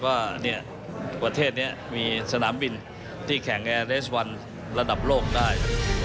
ว่าประเทศนี้มีสนามบินที่แข่งแอร์เลสวันระดับโลกได้